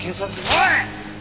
おい！